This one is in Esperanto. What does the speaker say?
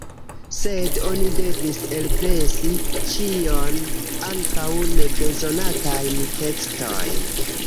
Sed oni devis elpresi ĉion, ankaŭ nebezonatajn tekstojn.